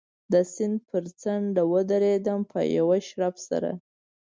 د سیند پر څنډه و درېدم، په یوه شړپ سره.